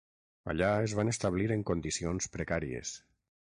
Allà, es van establir en condicions precàries.